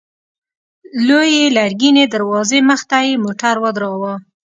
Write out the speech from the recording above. لويې لرګينې دروازې مخته يې موټر ودراوه.